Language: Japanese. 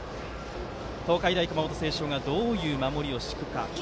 東海大熊本星翔がどういう守りを敷くか。